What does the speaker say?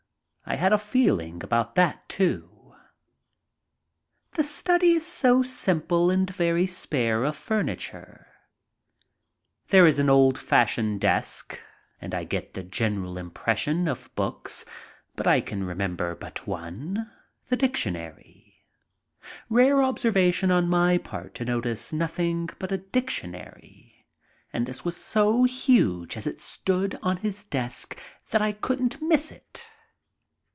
I had a feeling about that, too. The study is simple and very spare of furniture. There is I FLY FROM PARIS TO LONDON 131 an old fashioned desk and I get the general impression of books, but I can remember but one, the dictionary. Rare observation on my part to notice nothing but a dictionary, and this was so huge as it stood on his desk that I couldn't miss it.